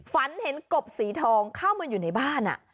ฝันเห็นกบสีทองเข้ามาอยู่ในบ้าน